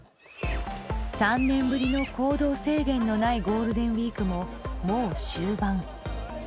３年ぶりの行動制限のないゴールデンウィークももう終盤。